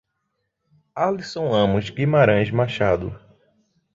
Alysson Amos Guimaraes Machado